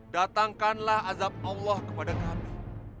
datangkanlah azab allah kepada kami